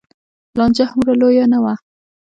لانجه هومره لویه نه وه.